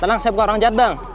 tenang saya bukan orang jahat bang